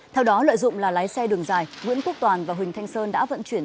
theo đó lợi dụng là lái xe đường dài nguyễn quốc toàn và huỳnh thanh sơn đã vận chuyển